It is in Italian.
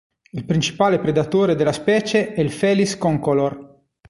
Il principale predatore della specie è il "Felis concolor".